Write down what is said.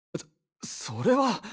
そそれは。